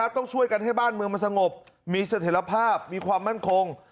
ต้องช่วยกันให้บ้านเมืองมันสงบมีเสถียรภาพมีความมั่นคง